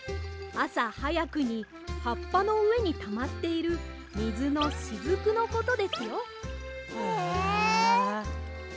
あさはやくにはっぱのうえにたまっているみずのしずくのことですよ。